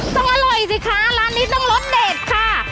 ต้องอร่อยสิคะร้านนี้ต้องรสเด็ดค่ะ